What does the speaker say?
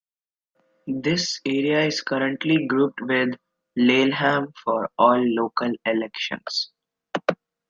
This area is currently grouped with Laleham for all local elections.